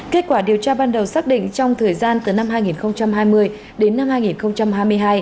kết quả điều tra ban đầu xác định trong thời gian từ năm hai nghìn hai mươi đến năm hai nghìn hai mươi hai